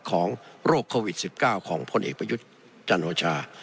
ของโรคโควิด๑๙ของพลเอกประยุทธ์จันโอชา